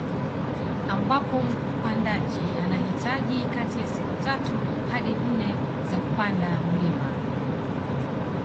Ambapo mpandaji anahitaji kati ya siku tatu hadi nne za kupanda mlima